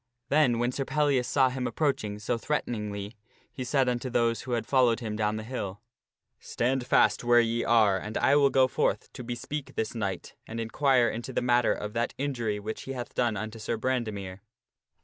Then, when Sir Pellias saw him approaching so threateningly, he said unto those who had followed him down the hill :" Stand fast where ye are and I will go forth to bespeak this knight, and inquire into the matter of that injury which he hath done unto Sir Brandemere."